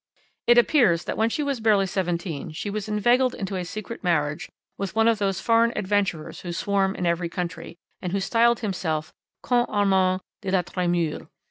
"It appears that when she was barely seventeen she was inveigled into a secret marriage with one of those foreign adventurers who swarm in every country, and who styled himself Comte Armand de la Tremouille.